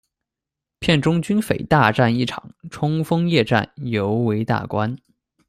片中军匪大战一场，冲锋夜战，尤为大观。